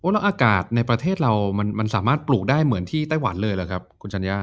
แล้วอากาศในประเทศเรามันสามารถปลูกได้เหมือนที่ไต้หวันเลยหรือครับคุณชัญญา